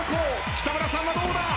北村さんはどうだ！？